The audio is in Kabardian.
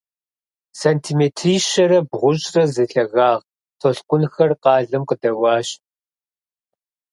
Сантиметрищэрэ бгъущӏрэ зи лъагагъ толъкъунхэр къалэм къыдэуащ.